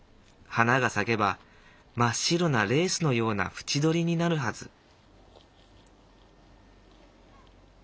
花が咲けば真っ白なレースのような縁取りになるはず。